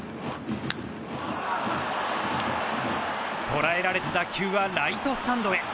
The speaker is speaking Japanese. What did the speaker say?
捉えられた打球はライトスタンドへ。